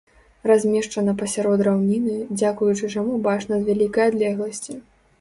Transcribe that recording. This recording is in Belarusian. Размешчана пасярод раўніны, дзякуючы чаму бачна з вялікай адлегласці.